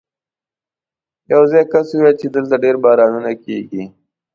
یو ځايي کس وویل چې دلته ډېر بارانونه کېږي.